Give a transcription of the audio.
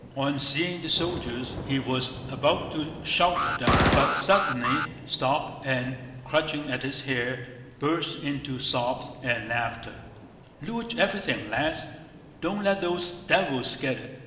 On seeing the soldiers he was about to shout at them, but suddenly stopped and, clutching at his hair, burst into sobs and laughter: "Loot everything, lads! Don't let those devils get it!"